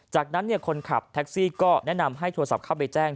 จากนั้นคนขับแท็กซี่ก็แนะนำให้โทรศัพท์เข้าไปแจ้ง